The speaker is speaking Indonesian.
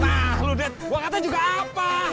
nah lo ded gue katanya juga apa